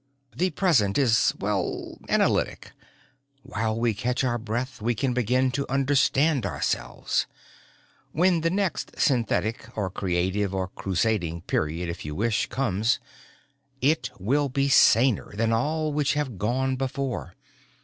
"The present is, well, analytic. While we catch our breath we can begin to understand ourselves. When the next synthetic or creative or crusading period, if you wish comes, it will be saner than all which have gone before.